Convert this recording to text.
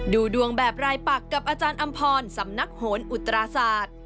ดูดวงแบบรายปักกับอาจารย์อำพรสำนักโหนอุตราศาสตร์